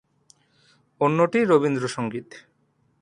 অন্যটি রবীন্দ্রসংগীত।